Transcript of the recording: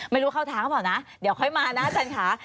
ไม่รู้เข้าทางเขาบอกนะเดี๋ยวค่อยมานะจะหรือคะ